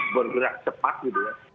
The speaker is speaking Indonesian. bergerak cepat gitu ya